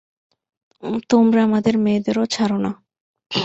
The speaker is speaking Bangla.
তোমরা আমাদের মেয়েদেরও ছাড় না!